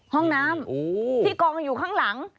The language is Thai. ห้องน้ำที่กองอยู่ข้างหลัง